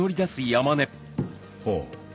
ほう。